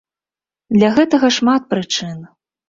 Для гэтага шмат прычын.